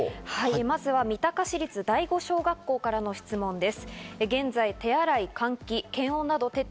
まずは三鷹市立第五小学校からの質問です。